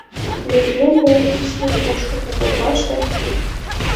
«Лӧзмӧн вуян сур ошкыпу коклаште...»